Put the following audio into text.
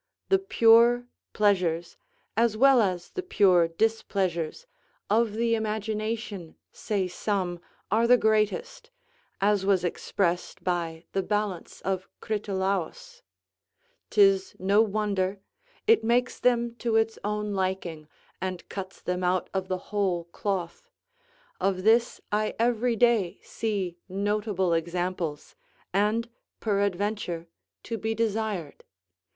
The pure pleasures, as well as the pure displeasures, of the imagination, say some, are the greatest, as was expressed by the balance of Critolaiis. 'Tis no wonder; it makes them to its own liking, and cuts them out of the whole cloth; of this I every day see notable examples, and, peradventure, to be desired.